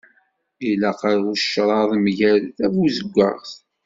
Ilaq ucraḍ mgal tabuzeggaɣt.